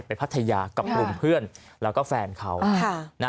พัทยากับกลุ่มเพื่อนแล้วก็แฟนเขา